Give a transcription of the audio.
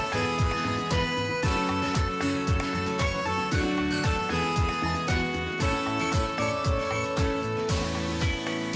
โปรดติดตามตอนต่อไป